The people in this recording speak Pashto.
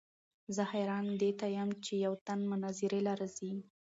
زۀ حېران دې ته يم چې يو تن مناظرې له راځي